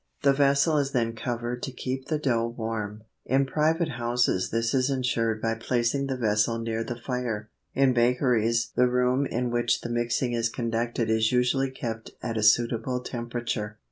The vessel is then covered to keep the dough warm. In private houses this is ensured by placing the vessel near the fire. In bakeries the room in which the mixing is conducted is usually kept at a suitable temperature.